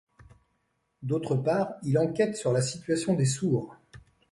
D’autre part, il enquête sur la situation des sourds.